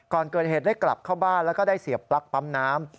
ก่อนเกิดเหตุได้กลับเข้าบ้านแล้วก็ได้เสียปลั๊กปั๊มน้ำ